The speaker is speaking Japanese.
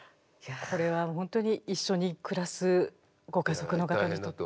これは本当に一緒に暮らすご家族の方にとってはね。